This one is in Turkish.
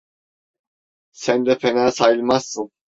Sen de fena sayılmazsın.